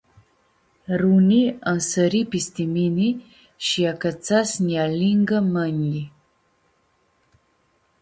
Runi ansãri pisti mini shi acãtsã s-nji alingã mãnjlji.